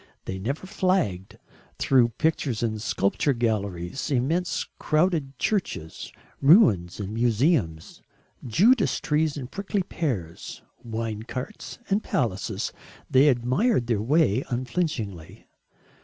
They never flagged through pictures and sculpture galleries, immense crowded churches, ruins and museums, Judas trees and prickly pears, wine carts and palaces, they admired their way unflinchingly.